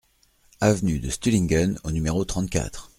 Avenue de Stuhlingen au numéro trente-quatre